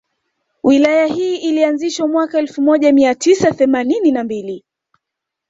Wilaya hii ilianzishwa mwaka elfu moja mia tisa themanini na mbili